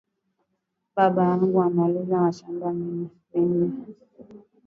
Baba yangu anauza mashamba ya munene